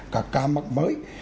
các ca mắc mới